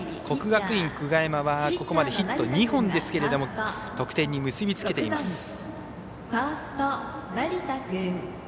国学院久我山はここまでヒット２本ですけれども得点に結び付けています。